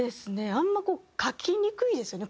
あんまこう書きにくいですよね